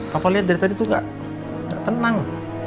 papa lihat dari tadi tuh gak tenang